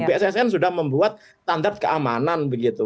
bssn sudah membuat standar keamanan begitu